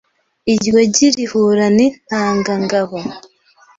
iryo gi rihura n’intanga ngabo